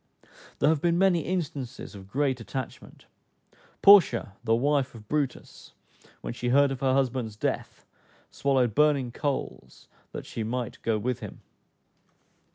There have been many instances of great attachment. Porcia, the wife of Brutus, when she heard of her husband's death swallowed burning coals that she might go with him.